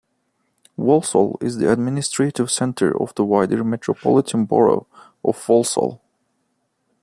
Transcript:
Walsall is the administrative centre of the wider Metropolitan Borough of Walsall.